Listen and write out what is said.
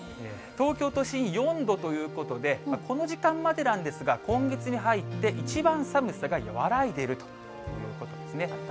東京都心、４度ということで、この時間までなんですが、今月に入って一番寒さが和らいでいるということですね。